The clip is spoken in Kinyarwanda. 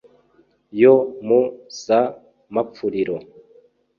yo mu za mapfuriro